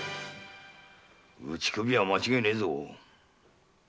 打ち首は間違いねぇぞ。